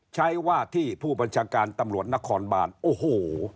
ใช้ว่าที่ผู้บัญชาการตำรวจนครบานโอ้โห